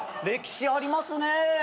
歴史ありますね。